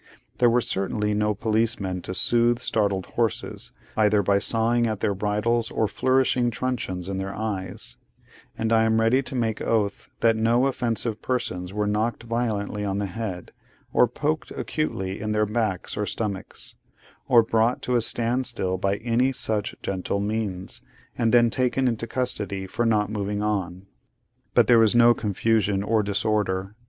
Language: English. There were certainly no policemen to soothe startled horses, either by sawing at their bridles or flourishing truncheons in their eyes; and I am ready to make oath that no inoffensive persons were knocked violently on the head, or poked acutely in their backs or stomachs; or brought to a standstill by any such gentle means, and then taken into custody for not moving on. But there was no confusion or disorder.